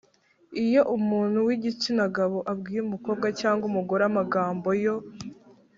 iyo umuntu w‘igitsina gabo abwiye umukobwa cyangwa umugore amagambo yo